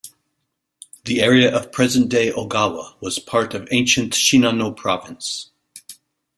The area of present-day Ogawa was part of ancient Shinano Province.